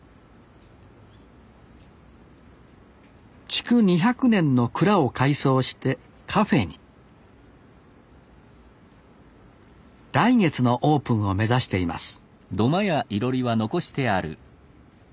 築２００年の蔵を改装してカフェに来月のオープンを目指しています